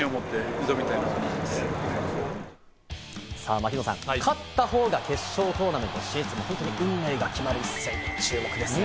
槙野さん、勝った方が決勝トーナメント進出という運命が決まる一戦、注目ですね。